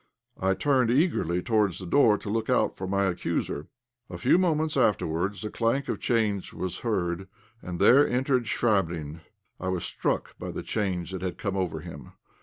_ I turned eagerly towards the door to look out for my accuser. A few moments afterwards the clank of chains was heard, and there entered Chvabrine. I was struck by the change that had come over him.